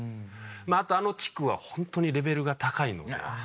あとあの地区はホントにレベルが高いので。